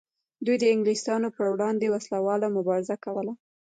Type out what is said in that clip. دوی د انګلیسانو پر وړاندې وسله واله مبارزه کوله.